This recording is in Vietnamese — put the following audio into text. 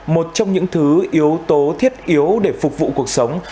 một trong những thứ yếu tố thiết yếu để phục vụ cuộc sống